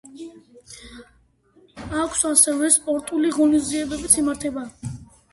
აქვე სხვა სპორტული ღონისძიებებიც იმართება.